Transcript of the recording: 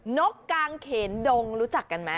นกกางเขนดงรู้จักกันไหม